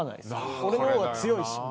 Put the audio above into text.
俺の方が強いしって。